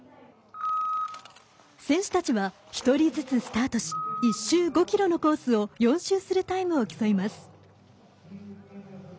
選手たちは１人ずつスタートし１周５ｋｍのコースを４周するタイムを競います。